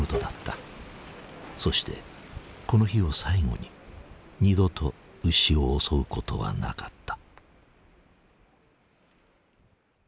そしてこの日を最後に二度と牛を襲うことはなかった。